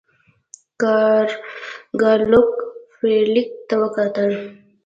ګارلوک فلیریک ته وکتل.